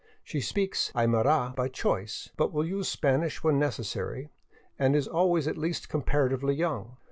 She speaks Aymara by choice, but will use Spanish when necessary; and she is always at least comparatively young.